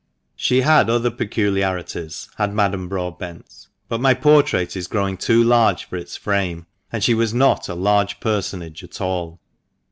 She had other peculiarities, had Madame Broadbent — but THE MANCHESTER MAN. 137 my portrait is growing too large for its frame, and she was not a large personage at all.